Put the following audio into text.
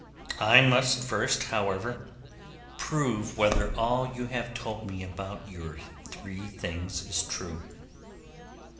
I must first, however, prove whether all you have told me about your three things is true.